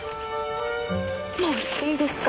もう行っていいですか？